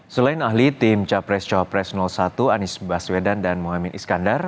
selain ahli tim capres cawapres satu anies baswedan dan muhaymin iskandar